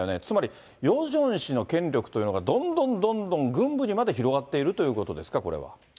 つまり、ヨジョン氏の権力というのが、どんどんどんどん軍部にまで広がっているということですか、これは。